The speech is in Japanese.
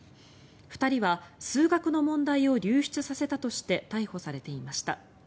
２人は数学の問題を流出させたとして逮捕されていました。